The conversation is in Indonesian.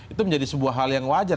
itu menjadi sebuah hal yang wajar